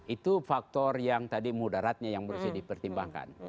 itu faktor yang tadi mudaratnya yang mesti dipertimbangkan